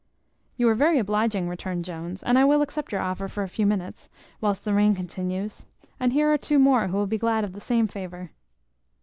"You are very obliging," returned Jones; "and I will accept your offer for a few minutes, whilst the rain continues; and here are two more who will be glad of the same favour."